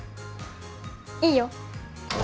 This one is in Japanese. いいよ